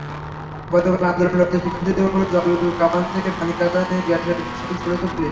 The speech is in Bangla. গতকালও আন্দোলনরত শিক্ষার্থীদের ওপর জলকামান থেকে পানি, কাঁদানে গ্যাসের শেল ছুড়েছে পুলিশ।